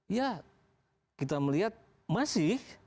ya kita melihat masih